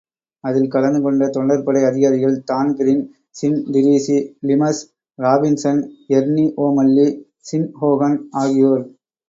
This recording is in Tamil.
அதில் கலந்து கொண்ட தொண்டர்படை அதிகாரிகள் Dan Breen, Sean Treacy, Seamus Robinson, Ernie O'Malley, ஸின்ஹோகன் ஆகியோர்.